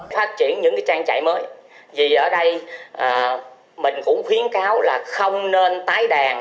phát triển những trang trại mới vì ở đây mình cũng khuyến cáo là không nên tái đàn